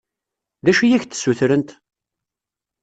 D acu i ak-d-ssutrent?